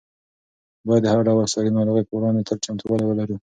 باید د هر ډول ساري ناروغۍ په وړاندې تل چمتووالی ولرو.